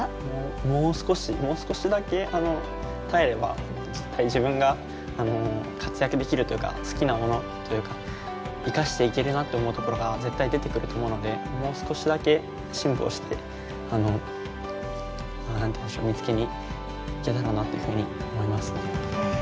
もう少しもう少しだけ耐えれば絶対自分が活躍できるというか好きなものというか生かしていけるなって思うところが絶対出てくると思うのでもう少しだけ辛抱して見つけに行けたらなっていうふうに思いますね。